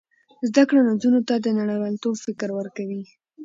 زده کړه نجونو ته د نړیوالتوب فکر ورکوي.